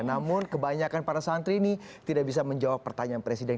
namun kebanyakan para santri ini tidak bisa menjawab pertanyaan presiden